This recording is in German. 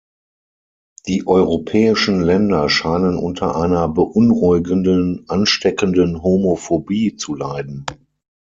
Die europäischen Länder scheinen unter einer beunruhigenden ansteckenden Homophobie zu leiden.